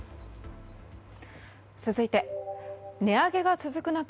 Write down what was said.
続いて、値上げが続く中